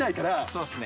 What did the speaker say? そうですね。